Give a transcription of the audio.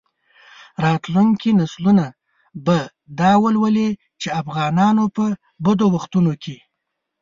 راتلونکي نسلونه به دا ولولي چې افغانانو په بدو وختونو کې.